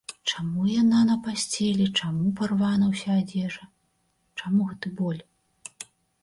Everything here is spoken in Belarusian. Чаму яна на пасцелі, чаму парвана ўся адзежа, чаму гэты боль?